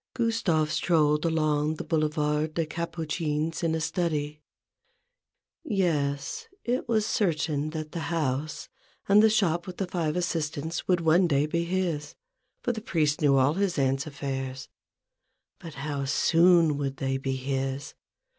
Gustave strolled along the Boulevard des Capucines in a study. Yes ; it was certain that the house, and the shop with the five assist ants, would one day be his; for the priest knew all his aunt's affairs. But how soon would they be his